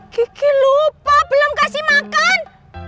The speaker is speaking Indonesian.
kiki lupa belum kasih makan